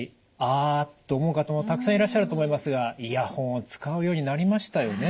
あと思う方もたくさんいらっしゃると思いますがイヤホンを使うようになりましたよね。